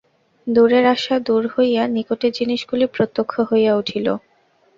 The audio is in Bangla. দূরের আশা দূর হইয়া নিকটের জিনিসগুলি প্রত্যক্ষ হইয়া উঠিল।